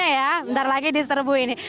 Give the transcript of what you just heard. sambungnya ya ntar lagi di serbu ini